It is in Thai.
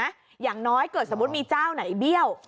อย่างน้อยเกิดสมมุติมีเจ้าไหนเบี้ยว